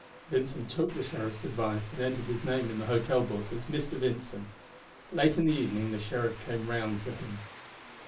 Vincent took the sheriff's advice, and entered his name in the hotel book as Mr. Vincent. Late in the evening the sheriff came round to him.